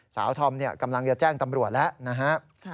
สาวธรรมเนี่ยกำลังจะแจ้งตำรวจแล้วนะฮะ